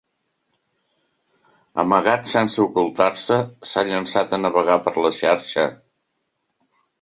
Amagat sense ocultar-se s'ha llançat a navegar per la xarxa.